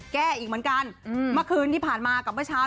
แก้อีกเหมือนกันเมื่อคืนที่ผ่านมากับเมื่อเช้า